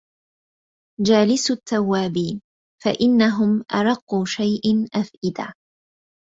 جالسوا التوابين، فإنهم أرق شئ أفئدة.